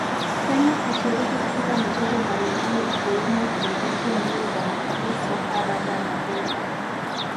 Kenya hushiriki katika michezo mbalimbali ikiwemo kriketi mbio za magari soka raga na ngumi